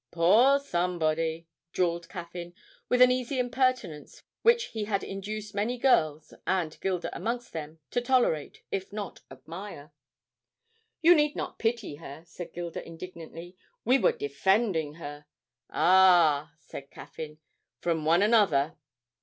'Poor somebody!' drawled Caffyn, with an easy impertinence which he had induced many girls, and Gilda amongst them, to tolerate, if not admire. 'You need not pity her,' said Gilda, indignantly; 'we were defending her.' 'Ah!' said Caffyn, 'from one another.'